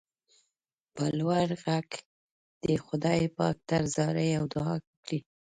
په لوړ غږ دې خدای پاک ته زارۍ او دعا وکړئ.